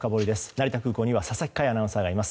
成田空港には佐々木快アナウンサーがいます。